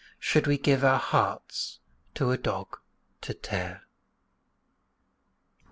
Should we give our hearts to a dog to tear?